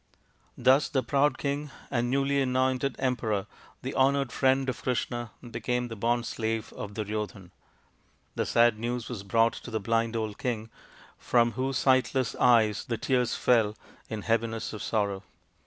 Thus the proud king and newly anointed emperor, the honoured friend of Krishna, became the bond slave of Duryodhan. The sad news was brought to the blind old king, from whose sightless eyes the tears fell in heaviness of sorrow.